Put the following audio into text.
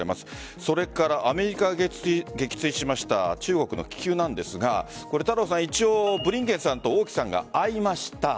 それからアメリカが撃墜しました中国の気球なんですが一応、ブリンケンさんと王毅さんが会いました。